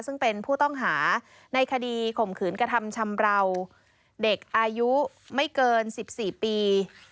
ซึ่งเป็นผู้ต้องหาในคดีข่มขืนกระทำชำราวเด็กอายุไม่เกิน๑๔ปี